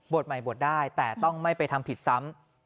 ใหม่บวชได้แต่ต้องไม่ไปทำผิดซ้ำ